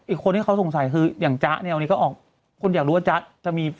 อีกคนที่เขาสงสัยคืออย่างจ๊ะเนี่ยวันนี้ก็ออกคนอยากรู้ว่าจ๊ะจะมี